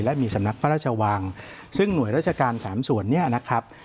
และมีสำนักพระราชวังซึ่งหน่วยราชการสามส่วนเนี่ยนะครับ